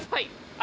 あ！